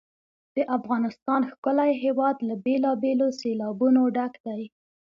د افغانستان ښکلی هېواد له بېلابېلو سیلابونو ډک دی.